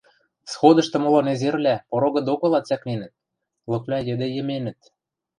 Сходышты моло незервлӓ порогы докыла цӓкненӹт, лыквлӓ йӹде йӹменӹт.